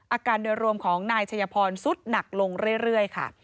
อาการโดยรวมของนายชัยพรสุดหนักลงเรื่อยค่ะ